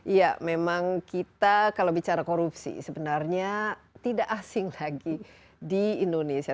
iya memang kita kalau bicara korupsi sebenarnya tidak asing lagi di indonesia